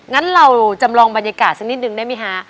งั้นเราจำลองบรรยากาศสักนิดนึงได้ไหมคะ